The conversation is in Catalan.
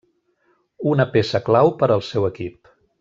Una peça clau per al seu equip.